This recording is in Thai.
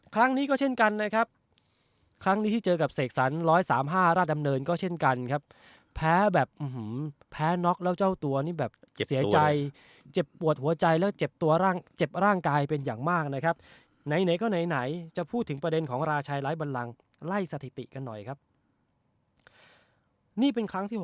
ครั้งนี้ก็เช่นกันนะครับครั้งนี้ที่เจอกับเสกสรรร้อยสามห้าราชดำเนินก็เช่นกันครับแพ้แบบแพ้น็อกแล้วเจ้าตัวนี่แบบเจ็บเสียใจเจ็บปวดหัวใจแล้วเจ็บตัวร่างเจ็บร่างกายเป็นอย่างมากนะครับไหนไหนก็ไหนไหนจะพูดถึงประเด็นของราชัยไร้บันลังไล่สถิติกันหน่อยครับนี่เป็นครั้งที่๖